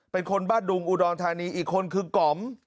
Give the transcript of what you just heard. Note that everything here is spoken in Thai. เป็นคนบ้านดุงอุดรธานีอีกคนคือก๋อม